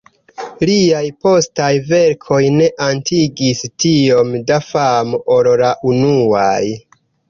Liaj postaj verkoj ne atingis tiom da famo ol la unuaj.